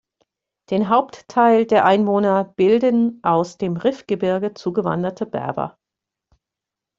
Den Hauptteil der Einwohner bilden aus dem Rifgebirge zugewanderte Berber.